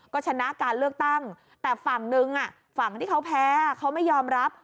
ก็ชนะการเลือกตั้งแต่ฝั่งหนึ่งฝั่งที่เขาแพ้เขาไม่ยอมรับ